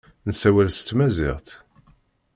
Nessawel s tmaziɣt.